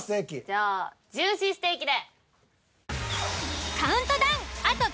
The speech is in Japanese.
じゃあジューシーステーキで。